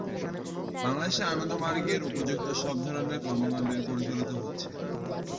বাংলাদেশে আনন্দমার্গের উপর্যুক্ত সব ধরনের কর্মকান্ডই পরিচালিত হচ্ছে।